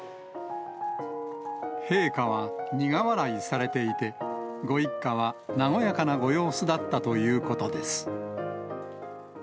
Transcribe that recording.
陛下は苦笑いされていて、ご一家は和やかなご様子だったということです。